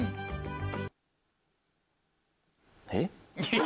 「えっ？」